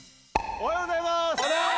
おはようございます！